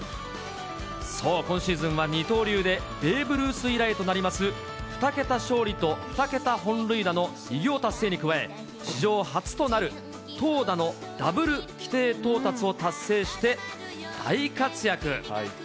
今シーズンは二刀流でベーブ・ルース以来となります、２桁勝利と２桁本塁打の偉業達成に加え、史上初となる投打のダブル規定到達を達成して、大活躍。